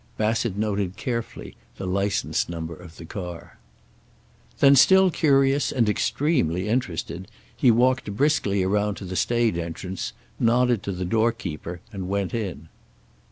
Bassett noted, carefully, the license number of the car. Then, still curious and extremely interested, he walked briskly around to the stage entrance, nodded to the doorkeeper, and went in.